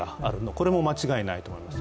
これも間違いないと思います。